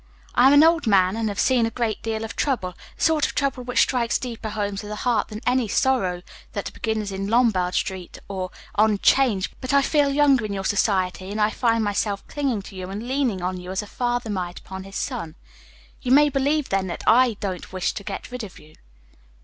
I'm an old man, and have seen a great deal of trouble the sort of trouble which strikes deeper home to the heart than any sorrows that begin in Lombard street or on 'Change; but I feel younger in your society, and I find myself clinging to you and leaning on you as a father might upon his son. You may believe, then, that I don't wish to get rid of you."